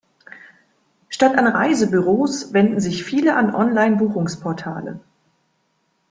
Statt an Reisebüros wenden sich viele an Online-Buchungsportale.